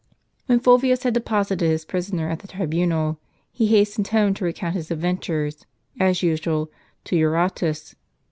When Fulvius had deposited his prisoner at the tribunal, he hastened home to recount his adventures, as usual, to Eurotas.